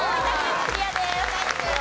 クリアです。